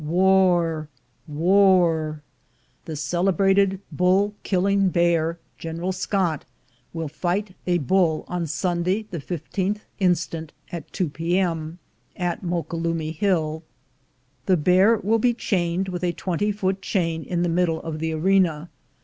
War!! War!!! The celebrated Bull killing Bear, GENERAL SCOTT, will fight a Bull on Sunday the 15th inst., at 2 p.m., at Moquelumne Hill. "The Bear will be chained with a twenty foot chain in the middle of the arena.